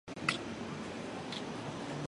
在场上的位置是边锋和攻击型中场。